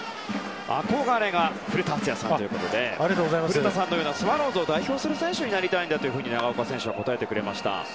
憧れが古田敦也さんで古田さんのようなスワローズを代表する選手になりたいんだと長岡選手は答えてくれました。